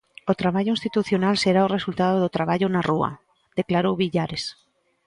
O traballo institucional será o resultado do traballo na rúa, declarou Villares.